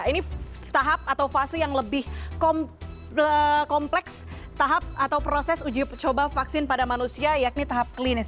ini tahap atau fase yang lebih kompleks tahap atau proses uji coba vaksin pada manusia yakni tahap klinis